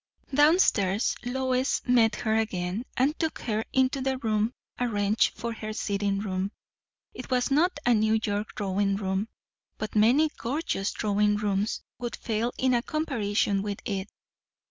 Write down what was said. Down stairs Lois met her again, and took her into the room arranged for her sitting room. It was not a New York drawing room; but many gorgeous drawing rooms would fail in a comparison with it.